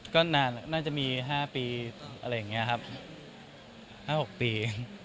ก็น่าจะมี๕ปีอะไรอย่างนี้ครับ๕๖ปี